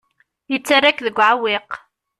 Yettarra-k deg uɛewwiq.